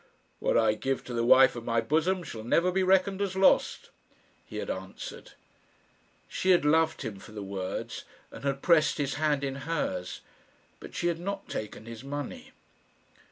"What I give to the wife of my bosom shall never be reckoned as lost," he had answered. She had loved him for the words, and had pressed his hand in hers but she had not taken his money.